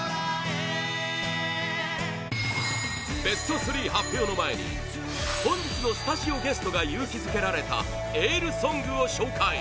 ベスト３発表の前に本日のスタジオゲストが勇気づけられたエールソングを紹介